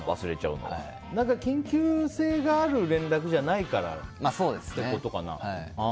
緊急性がある連絡じゃないからってことかな。